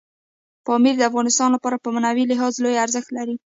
پامیر د افغانانو لپاره په معنوي لحاظ لوی ارزښت لري.